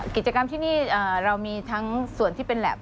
กิจกรรมที่นี่เรามีทั้งส่วนที่เป็นแล็บ